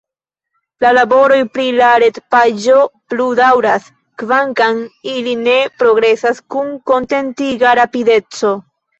La laboroj pri la retpaĝo plu daŭras, kvankam ili ne progresas kun kontentiga rapideco.